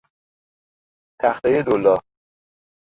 تختهی دولا